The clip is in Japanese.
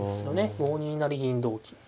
５二成銀同金と。